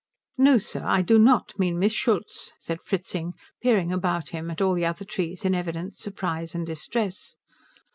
"No, sir, I do not mean Miss Schultz," said Fritzing, peering about him at all the other trees in evident surprise and distress.